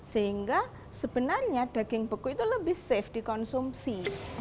sehingga sebenarnya daging beku itu lebih safe dikonsumsi